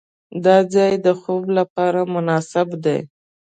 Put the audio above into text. دا ځای د خوب لپاره مناسب دی.